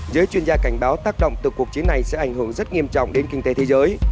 giới chuyên gia cảnh báo tác động từ cuộc chiến này sẽ ảnh hưởng rất nghiêm trọng đến kinh tế thế giới